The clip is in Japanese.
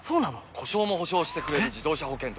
故障も補償してくれる自動車保険といえば？